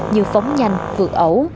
như phóng nhanh vượt ẩu